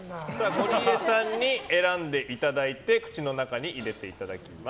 ゴリエさんに選んでいただいて口の中に入れていただきます。